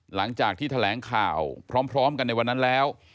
หลังจากที่แถลงข่าวพร้อมกันในวันนั้นแล้ว